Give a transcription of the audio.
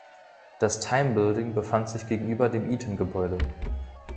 Das „Time Building“ befand sich gegenüber dem Eaton-Gebäude.